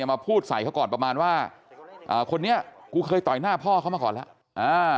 มาพูดใส่เขาก่อนประมาณว่าคนนี้กูเคยต่อยหน้าพ่อเขามาก่อนแล้ว